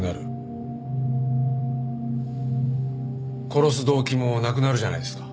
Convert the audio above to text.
殺す動機もなくなるじゃないですか。